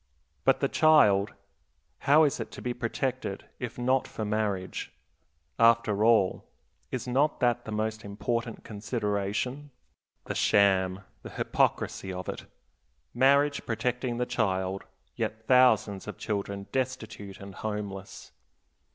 But the child, how is it to be protected, if not for marriage? After all, is not that the most important consideration? The sham, the hypocrisy of it! Marriage protecting the child, yet thousands of children destitute and homeless.